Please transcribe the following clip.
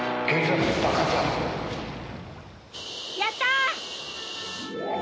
やった！